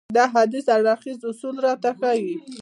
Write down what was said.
دا حديث هر اړخيز اصول راته ښيي.